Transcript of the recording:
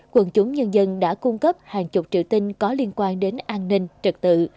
quận chủng nhân dân đã cung cấp hàng chục triệu tin có liên quan đến an ninh trật tự